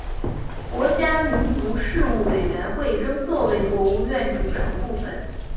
国家民族事务委员会仍作为国务院组成部门。